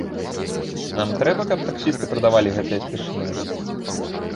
Нам трэба, каб таксісты прадавалі гэтае спіртное?